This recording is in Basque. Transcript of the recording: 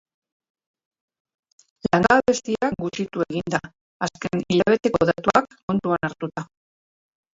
Langabezia gutxitu egin da, azken hilabeteko datuak kontuan hartuta.